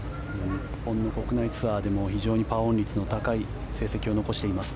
日本の国内ツアーでも非常にパーオン率の高い成績を残しています。